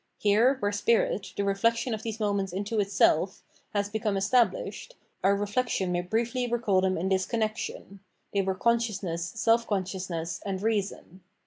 Here, where spirit, the reflection of these moments into itself, has 433 Spirit become established, our reflection may briefly recall them in this connexion : they were consciousness, self consciousness, and reason.